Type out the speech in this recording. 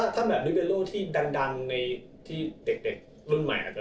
ถ้าแบบนิเวโรที่ดังในเก็บเด็กรุ่นใหม่